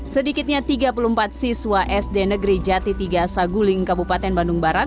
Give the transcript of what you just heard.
sedikitnya tiga puluh empat siswa sd negeri jati tiga saguling kabupaten bandung barat